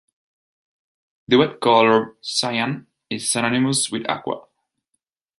The web color cyan is synonymous with aqua.